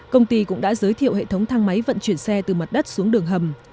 công ty cũng đã giới thiệu hệ thống thang máy vận chuyển xe từ mặt đất xuống đường hầm